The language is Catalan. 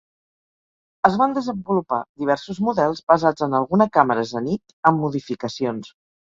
Es van desenvolupar diversos models basats en alguna càmera Zenit amb modificacions.